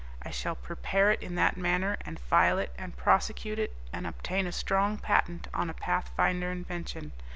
I shall prepare it in that manner, and file it, and prosecute it, and obtain a strong patent on a pathfinder invention.